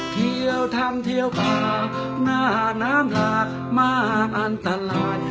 เที่ยวทำเที่ยวผ่าหน้าน้ำหลากมาอันตราย